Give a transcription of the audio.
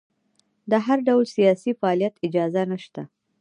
د هر ډول سیاسي فعالیت اجازه نشته.